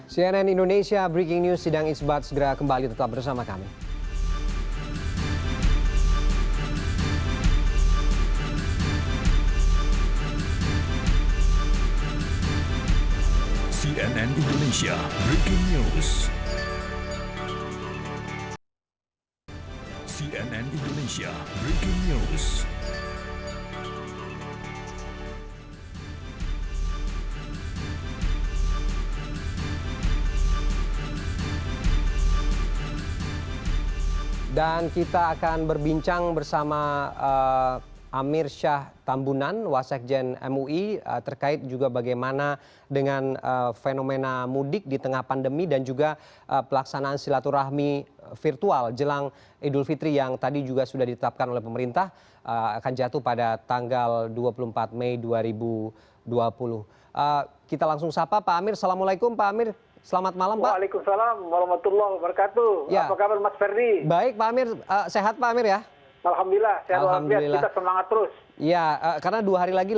cnn indonesia breaking news sidang ijbat segera kembali tetap bersama kami